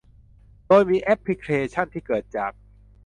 โดยมีแอปพลิเคชั่นที่เกิดจาก